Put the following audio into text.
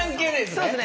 そうですね